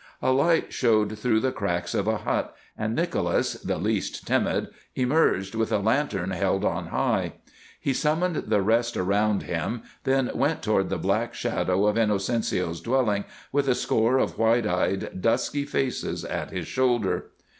A light showed through the cracks of a hut, and Nicholas, the least timid, emerged with a lantern held on high. He summoned the rest around him, then went toward the black shadow of Inocencio's dwelling with a score of white eyed, dusky faces at his shoulder.